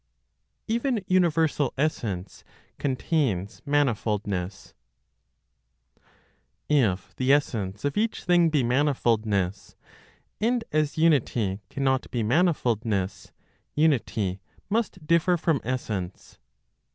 EVEN UNIVERSAL ESSENCE CONTAINS MANIFOLDNESS. If the essence of each thing be manifoldness, and as unity cannot be manifoldness, unity must differ from essence.